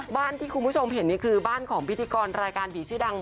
บ้านที่คุณผู้ชมเห็นนี่คือบ้านของพิธีกรรายการผีชื่อดัง